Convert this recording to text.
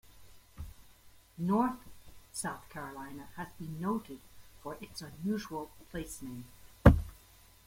North, South Carolina, has been noted for its unusual place name.